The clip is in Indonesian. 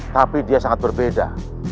tapi dia sangat berbeda